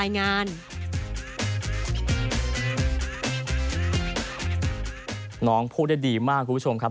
น้องพูดได้ดีมากคุณผู้ชมครับ